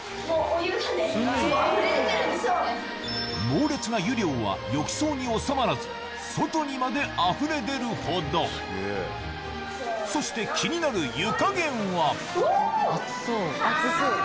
猛烈な湯量は浴槽に収まらず外にまであふれ出るほどそして気になる湯加減はおぉ！